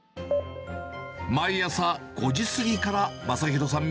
毎朝５時過ぎからまさひろさん